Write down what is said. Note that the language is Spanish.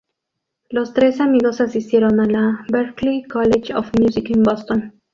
Los tres amigos asistieron a la Berklee College of Music en Boston.